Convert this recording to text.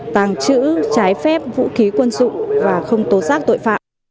tàng trữ trái phép vũ khí quân dụng và không tố giác tội phạm